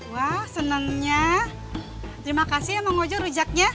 wah senangnya terima kasih ya mang ojo rujaknya